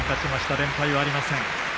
連敗がありません。